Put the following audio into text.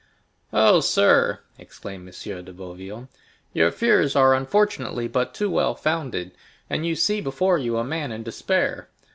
"Oh, sir," exclaimed M. de Boville, "your fears are unfortunately but too well founded, and you see before you a man in despair.